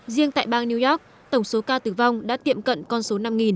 riêng tại bang new york tổng số ca tử vong đã tiệm cận con số năm